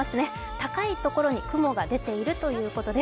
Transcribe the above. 高いところに雲が出ているということです。